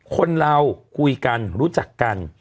คนเราคุยกันรู้จักกัน